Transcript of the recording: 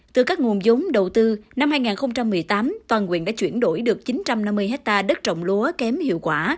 từ các nguồn giống đầu tư năm hai nghìn một mươi tám toàn quyện đã chuyển đổi được chín trăm năm mươi hectare đất trồng lúa kém hiệu quả